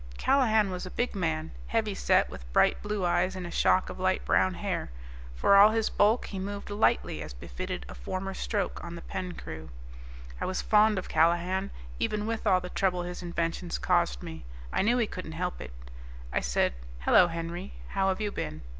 Callahan was a big man, heavy set, with bright blue eyes, and a shock of light brown hair. For all his bulk he moved lightly as befitted a former stroke on the Penn crew. I was fond of Callahan, even with all the trouble his inventions caused me; I knew he couldn't help it. I said, "Hello Henry. How have you been?"